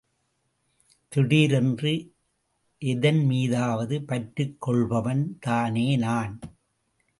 திடீர் என்று எதன் மீதாவது பற்றுக் கொள்பவன்தானே நான்?